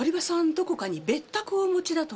どこかに別宅をお持ちだとか。